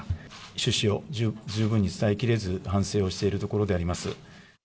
趣旨を十分に伝えきれず、反省をしているところであります。